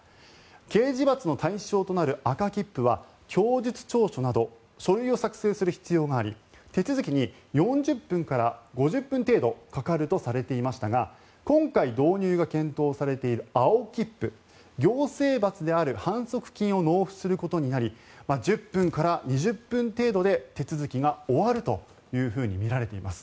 刑事罰の対象となる赤切符は供述調書など書類を作成する必要があり手続きに４０分から５０分程度かかるとされていましたが今回導入が検討されている青切符行政罰である反則金を納付することになり１０分から２０分程度で手続きが終わるというふうにみられています。